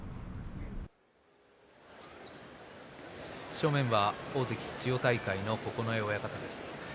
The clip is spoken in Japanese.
正面は大関千代大海の九重親方です。